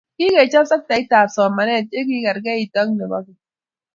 Kikechob sektait ab somanet yekikerkeit ak nebo keny